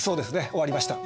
終わりました。